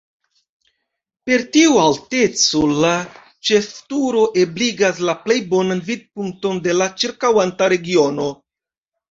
Per tiu alteco, la ĉefturo ebligas la plej bonan vidpunkton de la ĉirkaŭanta regiono.